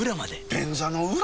便座の裏？